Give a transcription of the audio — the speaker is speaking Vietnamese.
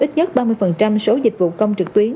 ít nhất ba mươi số dịch vụ công trực tuyến